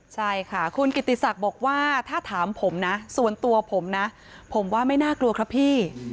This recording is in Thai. ใช่ค่ะคุณกิติศักดิ์บอกว่าถ้าถามผมนะส่วนตัวผมนะผมว่าไม่น่ากลัวครับพี่